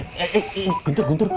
eh eh eh eh eh guntur guntur